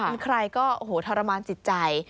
มีใครก็ทรมานจิตใจ